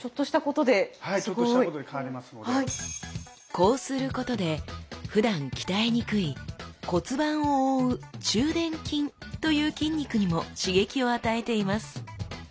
こうすることでふだん鍛えにくい骨盤を覆う中臀筋という筋肉にも刺激を与えています。